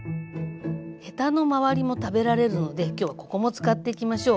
ヘタの周りも食べられるので今日はここも使っていきましょう。